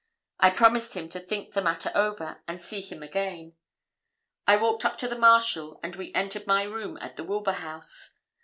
I promised him to think the matter over and see him again. I walked up to the Marshal, and we entered my room at the Wilbur House.